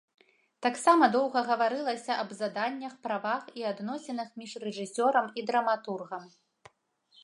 Таксама доўга гаварылася аб заданнях, правах і адносінах між рэжысёрам і драматургам.